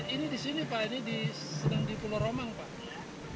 ini di sini pak ini sedang di pulau romang pak